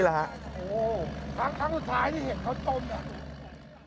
โอ้โฮครั้งสุดท้ายที่เห็นเขาต้ม